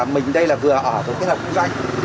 mình đây là vừa ở vừa kết hợp kinh doanh